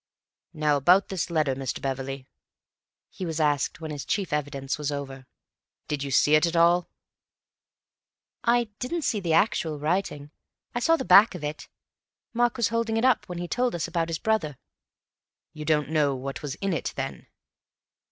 "Now, about this letter, Mr. Beverley?" he was asked when his chief evidence was over. "Did you see it at all?" "I didn't see the actual writing. I saw the back of it. Mark was holding it up when he told us about his brother." "You don't know what was in it, then?"